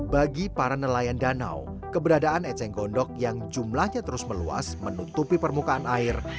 bagi para nelayan danau keberadaan eceng gondok yang jumlahnya terus meluas menutupi permukaan air